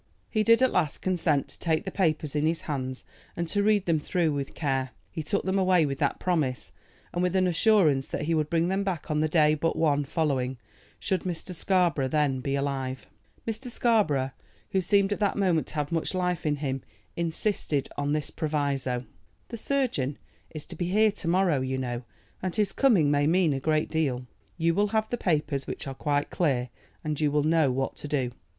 He did at last consent to take the papers in his hands, and to read them through with care. He took them away with that promise, and with an assurance that he would bring them back on the day but one following should Mr. Scarborough then be alive. Mr. Scarborough, who seemed at that moment to have much life in him, insisted on this proviso: "The surgeon is to be here to morrow, you know, and his coming may mean a great deal. You will have the papers, which are quite clear, and will know what to do.